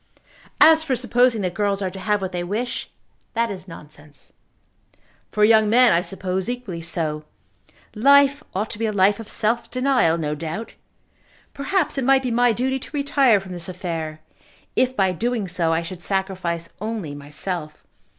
"As for supposing that girls are to have what they wish, that is nonsense." "For young men I suppose equally so. Life ought to be a life of self denial, no doubt. Perhaps it might be my duty to retire from this affair, if by doing so I should sacrifice only myself.